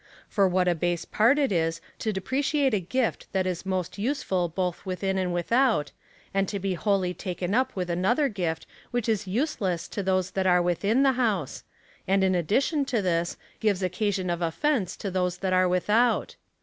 For what a base part it is to depreciate a gift that is most useful both within and without, and to be wholly taken up with another gift which is useless to those that Sire within the house; and, in addition to this, gives occasion of offence to those that are without